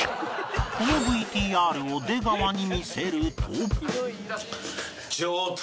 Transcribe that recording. この ＶＴＲ を出川に見せると